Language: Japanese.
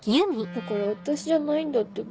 だから私じゃないんだってば。